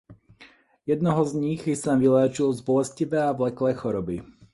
Jednoho z nich jsem vyléčil z bolestivé a vleklé choroby.